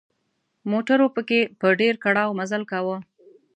موټرو پکې په ډېر کړاو مزل کاوه.